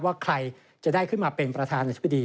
ว่าใครจะได้ขึ้นมาเป็นประธานาธิบดี